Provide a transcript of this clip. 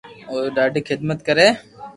اورو ڌاڌي خدمت ڪري